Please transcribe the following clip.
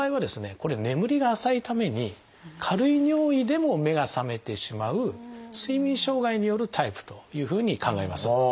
これ眠りが浅いために軽い尿意でも目が覚めてしまう睡眠障害によるタイプというふうに考えます。